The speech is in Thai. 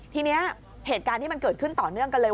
ทีนี้เหตุการณ์ที่มันเกิดขึ้นต่อเนื่องกันเลย